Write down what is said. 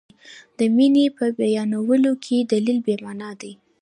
د مینې په بیانولو کې دلیل بې معنا دی.